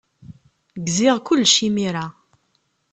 Gziɣ kullec imir-a.